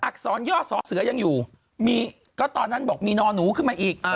อักษรย่อสอเสือยังอยู่มีก็ตอนนั้นบอกมีนอหนูขึ้นมาอีก